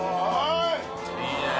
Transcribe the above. いいね。